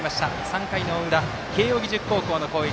３回の裏、慶応義塾高校の攻撃。